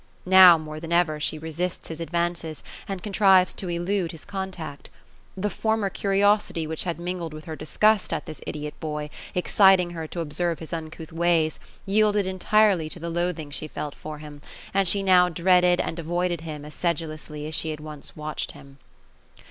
Now, more than ever, she resists his advances, and contrives to elude his con tact. The former curiosity which had mingled with her disgust at this idiot boy, exciting her to observe his uncouth ways, yielded entirely to the loathing she felt for him ; and she now dreaded and avoided him as sedulously as she had once watched him.